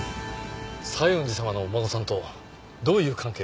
西園寺様のお孫さんとどういう関係ですか？